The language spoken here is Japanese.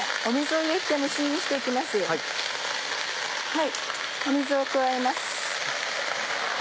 はい水を加えます。